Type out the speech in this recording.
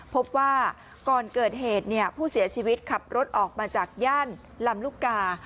พบว่าก่อนเกิดเหตุผู้เสียชีวิตขับรถออกมาจากย่านลำลูกกา